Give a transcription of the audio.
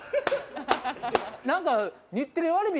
何か。